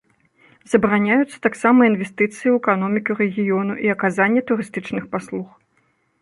Забараняюцца таксама інвестыцыі ў эканоміку рэгіёну і аказанне турыстычных паслуг.